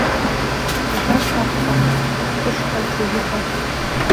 Убас акәхап, ҳҟәышхарц азыҳәа.